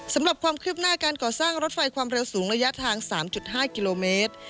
สำหรับความคืบหน้าการก่อสร้างรถไฟความเร็วสูงระยะทาง๓๕กิโลเมตร